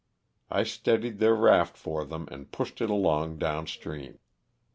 I steadied their raft for them and pushed it along down stream.